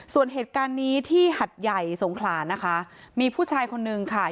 ส่วนเหตุการณ์นี้ที่หัดใหญ่สงขลานะคะมีผู้ชายคนนึงค่ะ